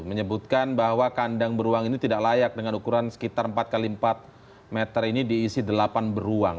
menyebutkan bahwa kandang beruang ini tidak layak dengan ukuran sekitar empat x empat meter ini diisi delapan beruang